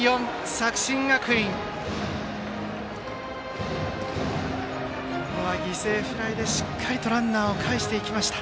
作新学院、ここは犠牲フライでしっかりとランナーをかえしていきました。